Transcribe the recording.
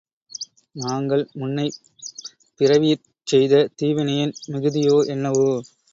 நாங்கள் முன்னைப் பிறவியிற் செய்த தீவினையின் மிகுதியோ என்னவோ?